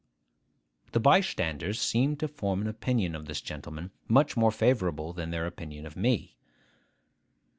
The bystanders seemed to form an opinion of this gentleman much more favourable than their opinion of me.